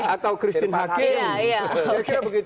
atau kristen hakim